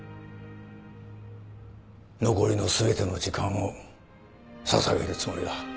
残りの全ての時間を捧げるつもりだ。